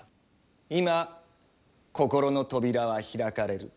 今心の扉は開かれる。